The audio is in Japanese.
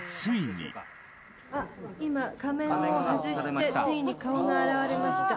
今、仮面を外してついに顔が現れました。